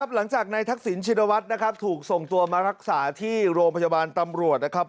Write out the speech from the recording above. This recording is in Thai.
หลังจากนายทักษิณชินวัฒน์นะครับถูกส่งตัวมารักษาที่โรงพยาบาลตำรวจนะครับ